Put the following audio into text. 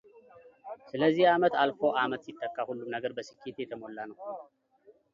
ስለዚህ ዓመት አልፎ አመት ሲተካ ሁሉም ነገር በስኬት የተሞላ ነው፡፡